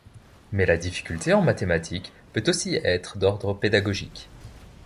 Mais la difficulté en mathématique peut aussi être d'ordre pédagogique.